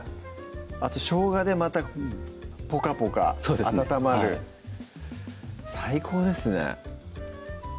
あとしょうがでまたポカポカ温まる最高ですね